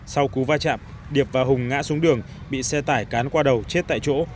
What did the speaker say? sau cú va chạm điệp và hùng ngã xuống đường bị xe tải cán qua đầu chết tại chỗ